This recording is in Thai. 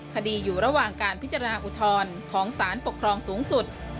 คดีอยู่ระหว่างการพิจารณาอุทธรณ์ของสารปกครองสูงสุด